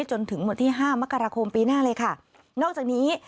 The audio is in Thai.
จนถึงวันที่ห้ามกราคมปีหน้าเลยค่ะนอกจากนี้